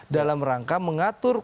dalam rangka mengatur